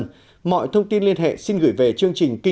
cảm ơn các bạn đã theo dõi và hẹn gặp lại